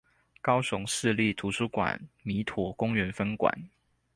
高雄市立圖書館彌陀公園分館